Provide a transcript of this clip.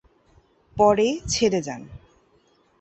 পরে ছেড়ে যান।